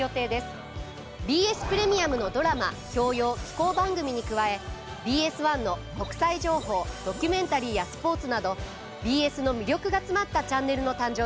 ＢＳプレミアムのドラマ教養紀行番組に加えＢＳ１の国際情報ドキュメンタリーやスポーツなどＢＳの魅力が詰まったチャンネルの誕生です。